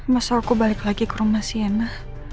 masa aku balik lagi ke rumah sienna